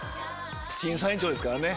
審査委員長ですからね。